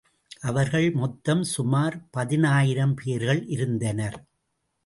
அவர்கள் மொத்தம் சுமார் பதினாயிரம் பேர்கள் இருந்தனர்.